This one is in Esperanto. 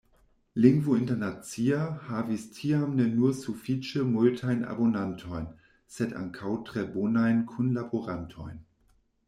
"Lingvo Internacia" havis tiam ne nur sufiĉe multajn abonantojn, sed ankaŭ tre bonajn kunlaborantojn.